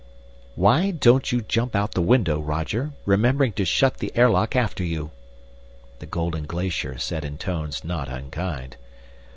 "Why don't you jump out the window, Roger, remembering to shut the airlock after you?" the Golden Glacier said in tones not unkind.